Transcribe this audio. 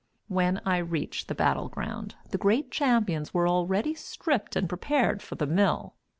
When I reached the battle ground, the great champions were already stripped and prepared for the "mill."